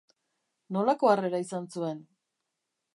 Nolako harrera izan zuen?